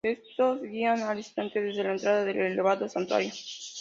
Estos, guían al visitante desde la entrada del elevado santuario.